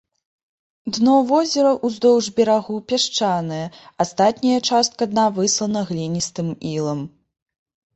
Дно возера ўздоўж берагоў пясчанае, астатняя частка дна выслана гліністым ілам.